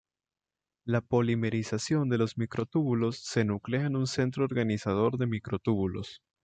La polimerización de los microtúbulos se nuclea en un centro organizador de microtúbulos.